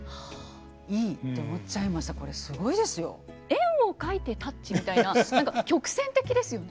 円を描いてタッチみたいな何か曲線的ですよね。